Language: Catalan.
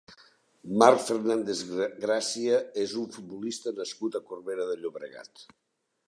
Marc Fernández Gracia és un futbolista nascut a Corbera de Llobregat.